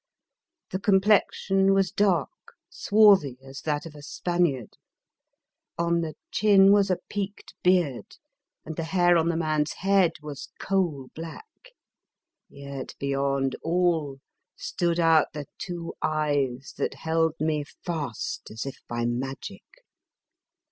The com plexion was dark, swarthy as that of a Spaniard; on the chin was a peaked beard, and the hair on the man's head was coal black; yet beyond all stood out the two eyes that held me fast as if by magic.